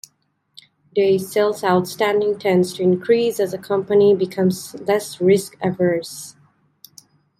Days sales outstanding tends to increase as a company becomes less risk averse.